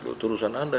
loh itu urusan anda